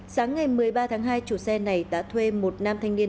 sáng ngày một mươi ba tháng hai chủ xe này đã thuê một nam thanh niên